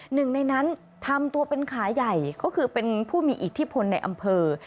หนึ่งในนั้นทำตัวเป็นขาใหญ่ก็คือเป็นผู้มีอิทธิพลในอำเภอ